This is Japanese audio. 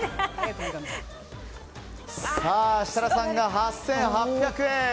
設楽さんが８８００円。